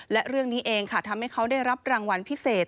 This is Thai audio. และเรื่องนี้เองค่ะทำให้เขาได้รับรางวัลพิเศษ